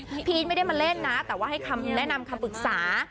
พี่พีชไม่ได้มาเล่นนะแต่ว่าให้คำแนะนำคำปรึกษา